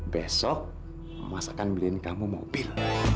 besok mas akan beliin kamu mobil